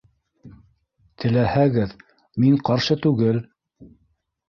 Теләһәгеҙ, мин ҡаршы түгел